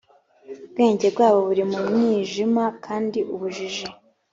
ubwenge bwabo buri mu mwijima kandi ubujiji